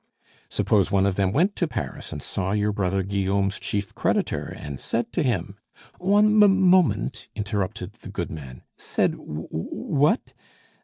"Suppose one of them went to Paris and saw your brother Guillaume's chief creditor and said to him " "One m m moment," interrupted the goodman, "said wh wh what?